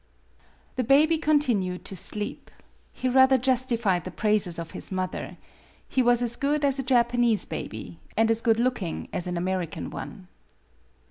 THE baby continued to sleep. He rather justified the praises of his mother. He was as good as a Japanese baby, and as good looking as an American one.